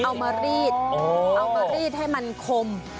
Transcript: เอามารีดเอามารีดให้มันคม